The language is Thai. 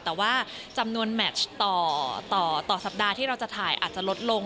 แต่ว่าจำนวนแมชต่อต่อสัปดาห์ที่เราจะถ่ายอาจจะลดลง